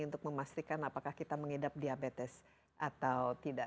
untuk memastikan apakah kita mengidap diabetes atau tidak